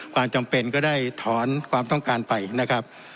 ความจำเป็นก็ได้ถอนความต้องการไปนะครับ